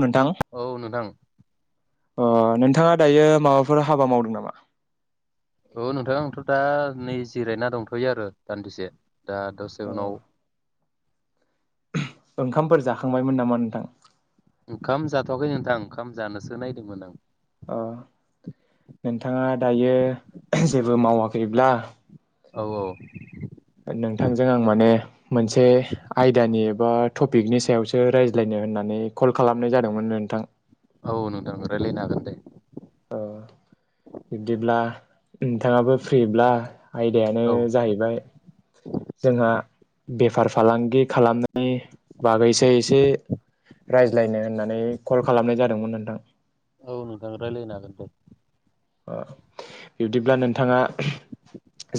नोंथां औ नोंथां ओ नोंथाङा दायो माबाफोर हाबा मावदों नामा? औ नोंथां आंथ' दा नै जिरायना दंथ'यो आरो दान्दिसे दा अ दसे उनाव ओंखामफोर जाखांबायमोन नामा नोंथां? ओंखाम जाथ'वाखै नोंथां ओंखाम जानोसो नायदोंमोन आं अ नोंथाङा दायो जेबो मावाखैब्ला औ औ नोंथांजों आं माने मोनसे आयदानि एबा टपिकनि सायावसो रायज्लायनो होननानै कल खालामनाय जादोंमोन नोंथां औ नोंथां रायलायनो हागोन दे औ बिब्दिब्ला नोंथाङाबो फ्रिब्ला आयदायानो औ जाहैबाय जोंहा बेफार फालांगि खालामनायनि बागैसो एसे रायज्लायनो होननानै कल खालामनाय जादोंमोन नोंथां औ नोंथां रायलायनो हागोन दे अ बिब्दिब्ला नोंथाङा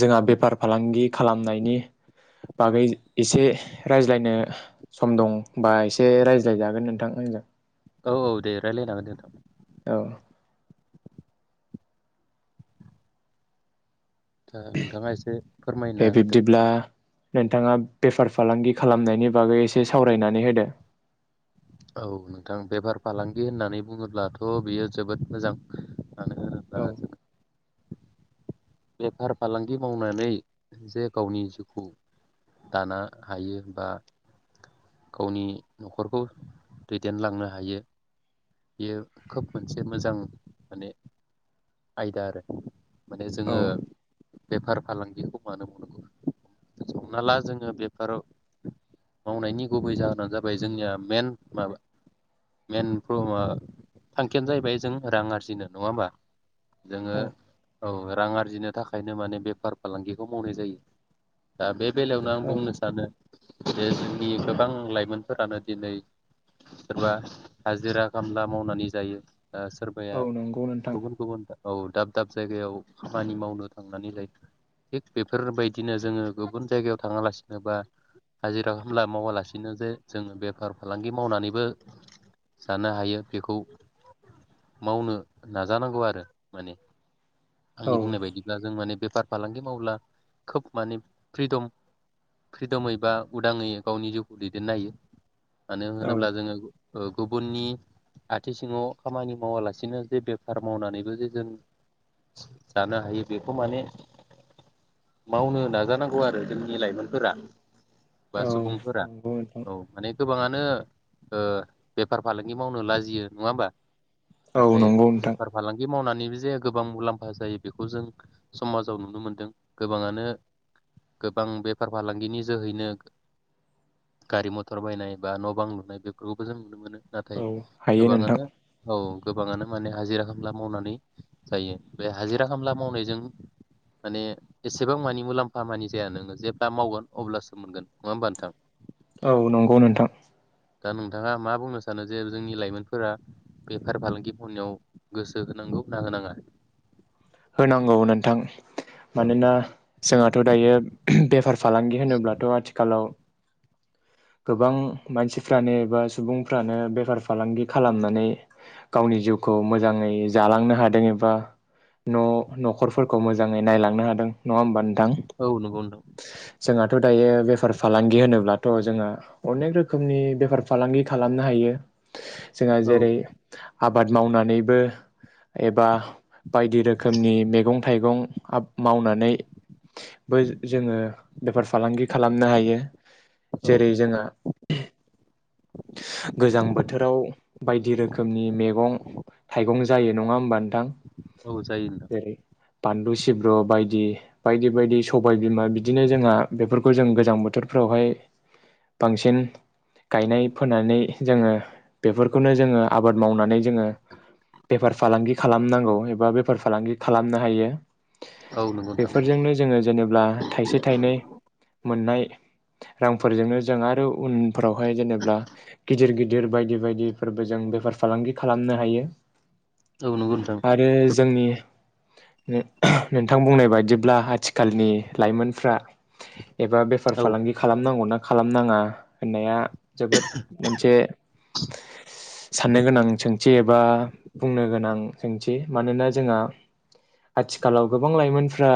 जोंहा बेफार फालांगि खालामनायनि बागै एसे रायज्लायनो सम दंबा एसे रायज्लायजागोन नोंथां आंजों औ औ दे रायज्लायनांगोन नोंथां औ दा नोंथाङा एसे दे फोरमायना होदो बिब्दिब्ला नोंथाङा बेफार फालांगि खालामनायनि बागै एसे सावरायनानै होदो औ नोंथां बेफार फालांगि होननानै बुङोब्लाथ' बियो जोबोद मोजां मानो औ होनोब्ला जों बेफार फालांगि मावनानै जे गावनि जिउखौ दानो हायो बा गावनि न'खरखौ दैदेनलांनो हायो बियो खोब मोनसे मोजां माने आयदा आरो माने औ जोङो बेफार फालांगिखौ मानो मावनांगौ हमना ला जोङो बेफार मावनायनि गुबै जाहोनानो जाबाय जोंनिया मेन माबा मेन थांखियानो जाहैबाय जों रां आरजिनो नङा होमबा जोङो औ औ रां आरजिनो थाखायनो माने बेफार फालांगिखौ मावनाय जायो दा बे बेलायावनो आं औ बुंनो सानो जे जोंनि गोबां लाइमोनफोरानो दिनै सोरबा हाजिरा खामला मावनानै जायो ओ सोरबाया औ नंगौ नोंथां गुबुन गुबुन औ दाब दाब जायगायाव खामानि मावनो थांनानै जायो थिग बेफोरबायदिनो जोङो गुबुन जायगायाव थाङालासिनो बा हाजिरा खामला मावालासिनो जे जोङो बेफार फालांगि मावनानैबो जानो हायो बेखौ मावनो नाजानांगौ आरो माने आंनि औ बुंनाय बायदिब्ला जों माने बे बेफार फालांगि मावब्ला खोब माने फ्रिदम फ्रिदमै बा उदाङै गावनि जिउखौ दैदेननाय हायो मानो औ होनोब्ला जोङो ओ गुबुननि आथि सिङाव खामानि मावालासिनो जे बेफार मावनानैबो जे जों जानो हायो बेखौ माने मावनो नाजानांगौ आरो जोंनि लाइमोनफोरा बा औ सुबुंफोरा नंगौ नोंथां औ माने गोबाङानो ओ बेफार फालांगि मावनो लाजियो नङा होमबा औ नाथाय नंगौ नोंथां बेफार फालांगि मावनानै बे जाया गोबां मुलाम्फा जायो बेखौ जों समाजाव नुनो मोनदों गोबाङानो गोबां बेफार फालांगिनि जोहैनो गारि मथर बायनाय बा न' बां लुनाय बेफोरखौबो जों नुनो मोनो नाथाय औ हायो नोंथां गोबाङानो औ गोबाङानो माने हाजिरा खामला मावनानै जायो बे हाजिरा खामला मावनायजों माने एसेबां मानि मुलाम्फा मानि जाया नोङो जेब्ला मावगोन अब्लासो मोनगोन नङा होमबा नोंथां औ नंगौ नोंथां दा नोंथाङा मा बुंनो सानो जे जोंनि लाइमोनफोरा बेफार फालांगिफोरनियाव गोसो होनांगौ ना होनाङा? होनांगौ नोंथां मानोना जोंहाथ' दायो बेफार फालांगि होनोब्लाथ' आथिखालाव गोबां मानसिफ्रानो एबा सुबुंफ्रानो बेफार फालांगि खालामनानै गावनि जिउखौ मोजाङै जालांनो हादों एबा न' न'खरफोरखौ मोजाङै नायलांनो हादों नङा होमबा नो औ नंगौ नोंथां जोंहाथ' दायो बेफार फालांगि होनोब्लाथ' जोंहा अनेक रोखोमनि बेफार फालांगि खालामनो हायो जोंहा औ जेरै आबाद मावनानैबो एबा बायदि रोखोमनि मैगं। थाइगं मावनानै। बै जोङो। बेफार फालांगि खालामनो हायो। जेरै जोंहा गोजां बोथोराव बायदि रोखोमनि मैगं थाइगं जायो नङा होमबा नोंथां औ जायोला जेरै बानलु सिब्रु बायदि बायदि बायदि सबाय बिमा बिदिनो जोंहा बेफोरखौ जों गोजां बोथोरफ्रावहाय बांसिन गायनाय फोनानै जोङो बेफोरखौनो जोङो आबाद मावनानै जोङो बेफार फालांगि खालामनांगौ एबा बेफार फालांगि खालामनो हायो। नोंथां औ नंगौ नोंथां बेफोरजोंनो जोङो जेनेबा थाइसे थाइनै। मोननाय रांफोरजोंनो जों आरो उनफोरावहाय जेनेबा गिदिर गिदिर बायदि बायदिफोरबो जों बेफार फालांगि खालामनो हायो। औ नंगौ नोंथां आरो जोंनि। नोंथां बुंनाय बायदिब्ला आथिखालनि लाइमोनफ्रा एबा बेफार औ फालांगि खालामनांगौ ना खालाम नाङा होननाया जोबोद [inaudible] मोनसे साननो गोनां सोंथि एबा बुंनो गोनां सोंथि मानोना जोंहा आथिखालाव गोबां लाइमोनफ्रा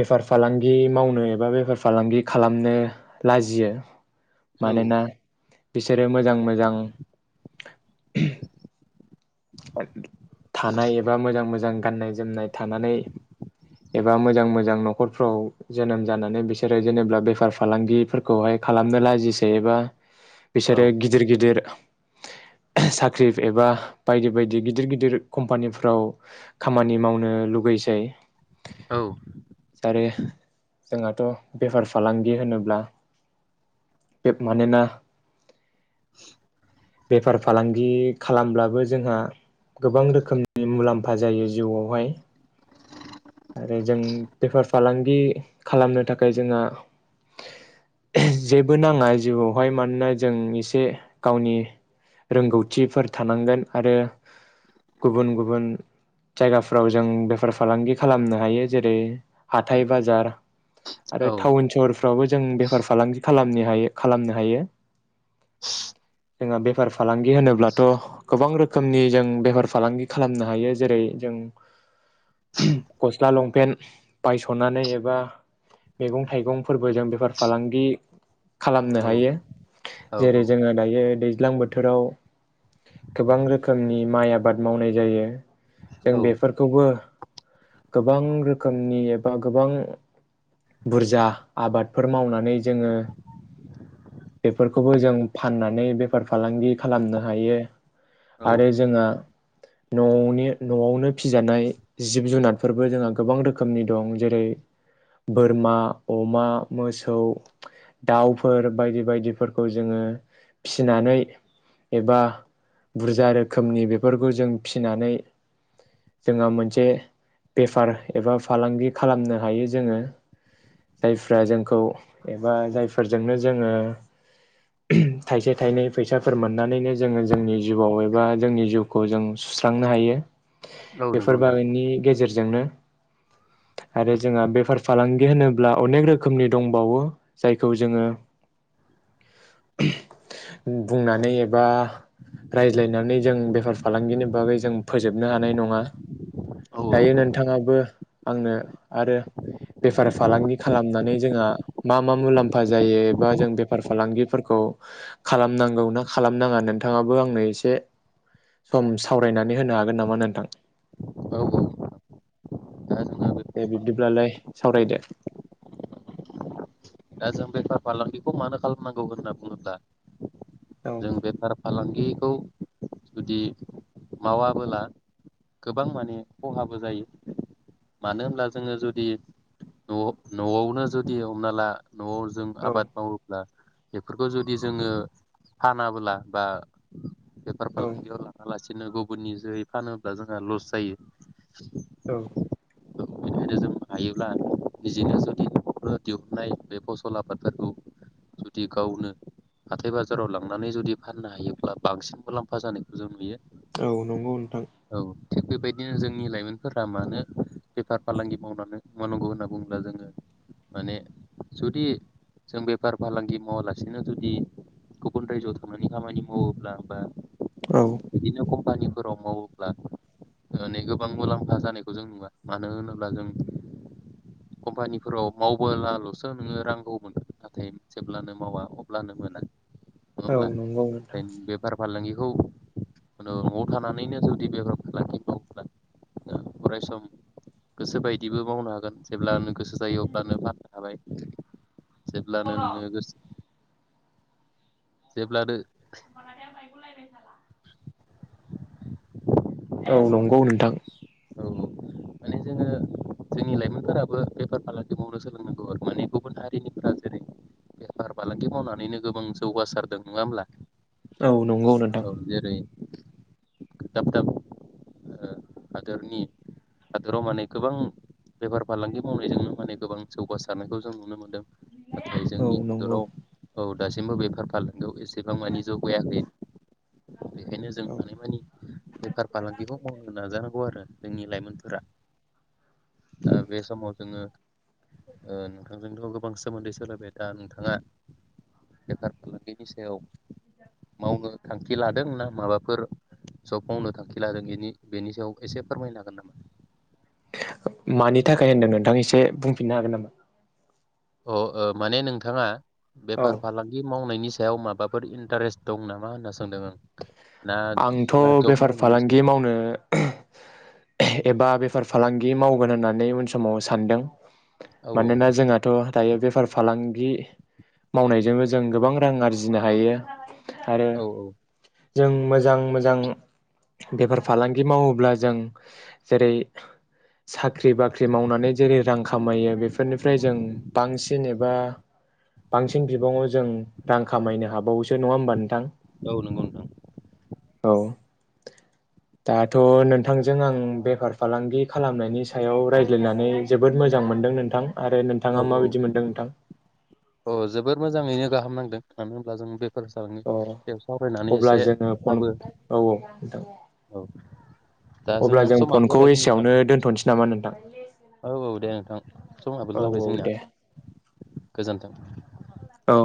बेफार फालांगि मावनो एबा बेफार फालांगि खालामनो लाजियो। औ मानोना। बिसोरो मोजां मोजां [inaudible] थानाय एबा मोजां मोजां गाननाय जोमनाय थानानै एबा मोजां मोजां नखरफ्राव जोनोम जानानै बिसोरो जेनेबा बेफार फालांगिफोरखौहाय खालामनो लाजिसै एबा औ बिसोरो गिदिर गिदिर। साख्रि एबा बायदि बायदि गिदिर गिदिर कम्पानिफ्राव खामानि मावनो लुगैसै। औ बे जोंहाथ' बेफार फालांगि होनोब्ला मानोना। [inaudible] बेफार फालांगि खालामब्लाबो। जोंहा गोबां रोखोमनि मुलाम्फा जायो जिउआवहाय। आरो जों बेफार फालांगि खालामनो थाखाय जोंहा। जेबो नाङा जिउआवहाय मानोना जों इसे गावनि रोंगौथिफोर थानांगोन आरो गुबुन गुबुन जायगाफ्राव जों बेफार फालांगि। खालामनो हायो जेरै हाथाय बाजार। आरो औ टाउन सहरफ्रावबो जों बेफार फालांगि खालामना हायो खालामनो हायो। [inaudible] जोंहा बेफार फालांगि होनोब्लाथ' गोबां रोखोमनि जों बेफार फालांगि खालामनो हायो जेरै जों। गस्ला लंपेन्ट बायस'नानै एबा मैगं थाइगंफोरबोजों बेफार फालांगि खालामनो हायो औ जेरै जोङो दायो दैज्लां बोथोराव गोबां रोखोमनि माइ आबाद मावनाय जायो। जों औ बेफोरखौबो। गोबां रोखोमनि एबा गोबां बुरजा आबादफोर मावनानै जोङो बेफोरखौबो जों फाननानै बेफार फालांगि खालामनो हायो। औ आरो जोंहा न'नि न'आवनो फिजानाय। जिब जुनादफोरबो जोंहा गोबां रोखोमनि दं जेरै बोरमा अमा मोसौ दाउफोर बायदि बायदिफोरखौ जोङो फिनानै एबा बुरजा रोखोमनि बेफोरखौ जों फिसिनानै जोंहा मोन से बेफार एबा फालांगि खालामनो हायो जोङो जायफ्रा जोंखौ एबा जायफोरजोंनो जोङो थाइसे थाइनै फैसाफोर मोननानैनो जोङो जोंनि जिउआव एबा जोंनि जिउखौ जों सुस्रांनो हायो। औ नंगौ। नोंथां नि गेजेर जोंनो आरो जोंहा बेफार फालांगि होनोब्ला अनेक रोखोमनि दंबावो जायखौ जोङो बुंनानै एबा रायज्लायनानै जों बेफार फालांगिनि बागै जों फोजोबनो हानाय नङा। औ दायो नोंथाङाबो आंनो आरो बेफार फालांगि खालामनानै जोंहा मा मा मुलाम्फा जायो एबा जों बेफार फालांगिफोरखौ खालामनांगौ ना खालामनाङा नोंथाङाबो आंनो एसे सम सावरायनानै होनो हागोन नामा नोंथां? औ औ दा जोंहा दे बेफार फालांगि बिब्दिब्लालाय सावरायदो। दा जों बेफार फालांगिखौ मानो खालामनांगौ होनना बुङोब्ला औ जों बेफार फालांगि खौ जुदि मावाबोला गोबां माने खहाबो जायो मानो होनब्ला जोङो जुदि न' न'आवनो जुदि हमना ला न'आव जों औ आबाद मावोब्ला बेफोरखौ जुदि जोङो फानाबोला बा बेेफार औ फालांगियाव लांंङालासिनो बिदिनो गुबुननि जोहै फानोब्ला जोंहा लस जायो। औ। बेनिखायनो जों हायोब्ला निजेनो जुदि न'खराव दिहुननाय बे फसल आबादफोरखौ जुदि गावनो हाथाय बाजाराव लांनानै जुदि फाननो हायोब्ला बांसिन मुलाम्फा जानायखौ जों नुयो। औ नंगौ नोंथां। औ थिग बेबायदिनो जोंनि लाइमोनफोरा मानो बेफार फालांगि मावनानै मावनांगौ होनना बुङोब्ला जोङो माने जुदि जों बेफार फालांगि मावालासिनो जुदि गुबुन रायजोआव थांनानै खामानि मावोब्ला बा औ बिदिनो खम फानिफोराव मावोब्ला ओ ने गोबां मुलाम्फा जानायखौ जों नुवा मानो होनोब्ला जों कम्पानिफोराव मावबोलाल'सो नोङो रांखौ मोनोन नाथाय जेब्लानो मावा अब्लानो मोना। औ नंगौ नोंथां। खौ न'आव थानानैनो जुदि बेब्राब नों लाखिबोब्ला अरायस गोसो बायदिबो मावनो हागोन जेब्लानो गोसो जायो अब्लानो फाननो हाबाय। जेब्लानो नोङो गोसो जेब्लानो [unintelligible] औ नंगौ नोंथां औ औ मान जोङो जोंनि लाइमोनफोराबो बेफार फालांगि मावनो सोलोंनांगौ माने गुबुन हारिनिफ्रा जेरै बेफार फालांगि मावनानैनो गोबां जौगासारदों नङा होमब्ला? औ नंगौ नोंथां औ जेरै दाब दाब ओ हादोरनि हादोराव माने गोबां बेफार फालांगि मावनायजोंनो माने गोबां जौगासारनायखौ जों नुनो मोन दों नाथाय औ जोंनि नंगौ हादराव औ दासिमबो बेफार फालांगियाव एसे सेबां मानि जौगायाखै बेखायनो जों औ हानायमानि बेफार फालांगिखौ मावनो नाजानांगौ आरो। जोंनि लाइमोनफोरा ओ बे समाव जोङो ओ नोंथांजोंथ' गोबां सोमोन्दै सोलायबाय दा नोंथाङा बेफार फालांगिनि सायाव मावनो थांखि लादों ना माबाफोर जब मावनो थांखि लादों इनि बेनि सायाव एसे फोरमायनो हागोन नामा? मानि थाखाय होनदों नोंथां एसे बुंफिननो हागोन नामा? अ ओ माने नोंथाङा औ बेफार फालांगि मावनायनि सायाव माबाफोर इन्टारेस्ट दं नामा होनना सोंदों आं ना आंथ' ना जब बेफार मावनायनि फालांगि सायाव मावनो एबा बेफार फालांगि माव गोन होननानै उन समाव सानदों। औ मानोना जोंहाथ' दायो बेफार फालांगि मावनायजोंबो जों गोबां रां आरजिनो हायो औ औ। जों मो जां मोजां बेफार फालांगि मावोब्ला जों जेरै साख्रि बाख्रि मावनानै जेरै रां खामायो बेफोरनिफ्राय जों बांसिन एबा बांसिन बिबाङाव जों रां खामायनो हाबावोसो नङा होमबा नोंथां? औ नंगौ नोंथां। औ दाथ' नोंथांजों आं बेफार फालांगि खालामनायनि सायाव रायज्लायनानै जोबोद मोजां मोनदों नोंथां आरो औ नोंथाङा औ माबायदि मोनदों नोंथां? अ जोबोद मोजाङैनो गाहाम नांदों मानो होनब्ला जों बे अ अब्ला जोङो फन, बाबो औ औ नोंथां, औ दा अब्ला जों समाबो फनखौ जाबायमोन नोंथां एसेयावनो दोन्थ'नोसै नामा नोंथां? औ औ दे नोंथां समाबो औ जाबाय औ जोंनिया दे गोजोन्थों। [unintelligible] औ।